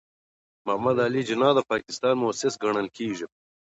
محمد علي جناح د پاکستان مؤسس ګڼل کېږي.